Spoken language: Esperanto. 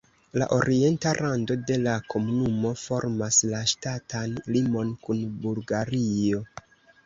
La orienta rando de la komunumo formas la ŝtatan limon kun Bulgario.